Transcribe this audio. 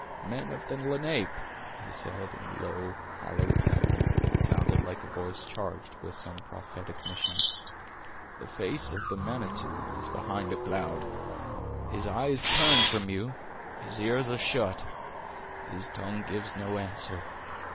"Men of the Lenape!" he said, in low, hollow tones, that sounded like a voice charged with some prophetic mission: "the face of the Manitou is behind a cloud! His eye is turned from you; His ears are shut; His tongue gives no answer.